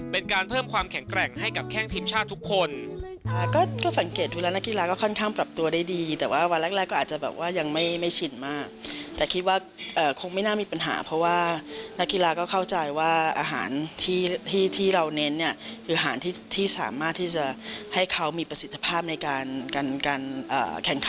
เป็นการเพิ่มความแข็งแกร่งให้กับแข้งทีมชาติทุกคน